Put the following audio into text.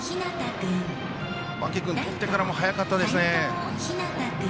間木君はとってからも速かったですね。